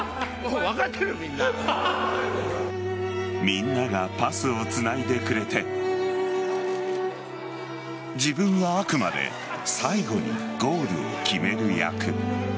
みんながパスをつないでくれて自分はあくまで最後にゴールを決める役。